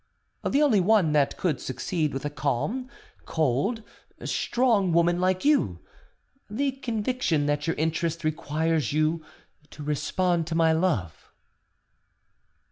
"The only one that could succeed with a calm, cold, strong woman like you, the conviction that your interest requires you to respond to my love."